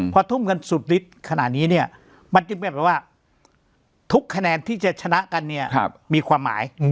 พอทุ่มกันสุดฤทธิ์ขนาดนี้เนี่ยมันจึงเป็นแบบว่าทุกคะแนนที่จะชนะกันเนี่ยมีความหมาย